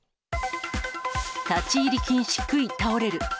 立ち入り禁止くい倒れる。